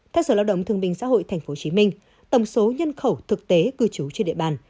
theo sở lao động thương binh xã hội tp hcm tổng số nhân khẩu thực tế cư trú trên địa bàn